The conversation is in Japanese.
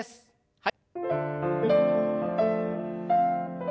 はい。